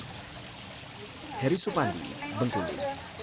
hai heri supandi bengkulu